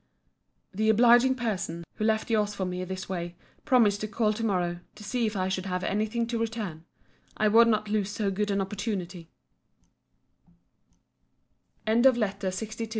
The obliging person, who left your's for me this day, promised to call to morrow, to see if I should have any thing to return. I would not lose so good an opportunity. LETTER LXIII MRS.